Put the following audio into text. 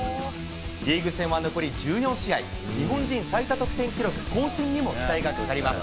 リーグ戦は残り１４試合、日本人最多得点記録更新にも期待がかかります。